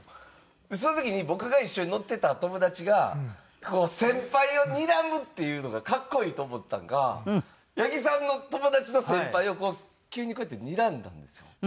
その時に僕が一緒に乗ってた友達が先輩をにらむっていうのが格好いいと思ったんか八木さんの友達の先輩を急にこうやってにらんだんですよ。